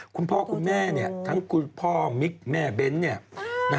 คุณพ่อคุณแม่ทั้งคุณพ่อมิกแม่เบ้น